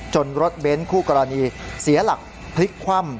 รถเบ้นคู่กรณีเสียหลักพลิกคว่ำ